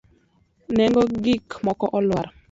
Nengo gik moko olwar